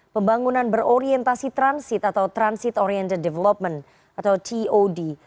pembangunan berorientasi transit atau transit oriented development atau tod